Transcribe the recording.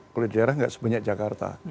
kalau di daerah nggak sebanyak jakarta